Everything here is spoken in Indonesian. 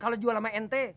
kalau jual sama ente